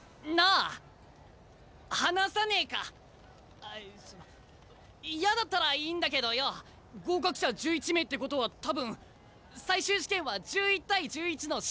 あその嫌だったらいいんだけどよ。合格者１１名ってことは多分最終試験は１１対１１の試合だと思うんだよ。